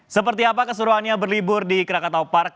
seperti apa keseruannya berlibur di krakatau park